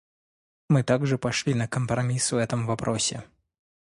Мы также пошли на компромисс в этом вопросе.